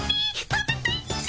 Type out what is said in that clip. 食べたいっピ。